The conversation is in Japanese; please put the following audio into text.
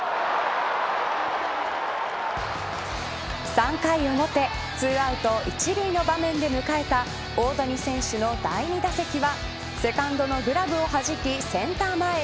３回表２アウト１塁の場面で迎えた大谷選手の第２打席はセカンドのグラブをはじきセンター前。